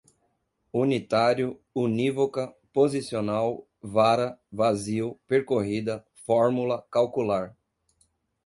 unitário, unívoca, posicional, vara, vazio, percorrida, fórmula, calcular